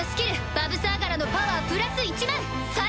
バヴサーガラのパワープラス１００００！